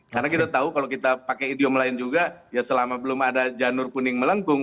karena kita tahu kalau kita pakai idiom lain juga ya selama belum ada janur kuning melengkung